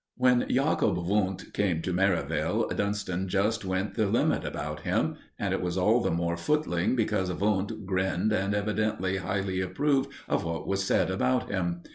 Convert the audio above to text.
When Jacob Wundt came to Merivale, Dunston just went the limit about him; and it was all the more footling because Wundt grinned, and evidently highly approved of what was said about him.